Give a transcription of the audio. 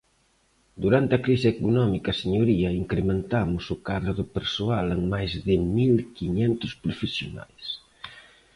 Durante a crise económica, señoría, incrementamos o cadro de persoal en máis de mil quiñentos profesionais.